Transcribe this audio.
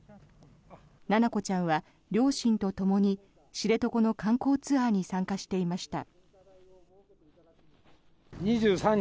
七菜子ちゃんは両親とともに知床の観光ツアーに参加していました。